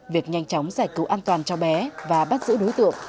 việc nhanh chóng giải cứu an toàn cho bé và bắt giữ đối tượng